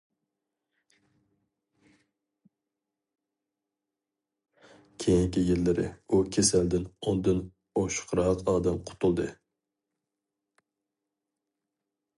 كېيىنكى يىللىرى ئۇ كېسەلدىن ئوندىن ئوشۇقراق ئادەم قۇتۇلدى.